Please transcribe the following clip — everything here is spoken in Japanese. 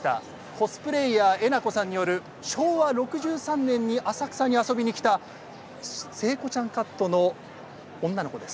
コスプレイヤーえなこさんによる昭和６３年に浅草に遊びに来た聖子ちゃんカットの女の子です。